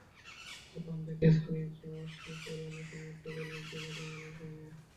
Japan থেকে সনির CMOS sensor এনে সংযুক্ত করলাম চীনা ক্যামেরার ফ্রেমে।